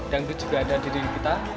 dangdut juga ada di diri kita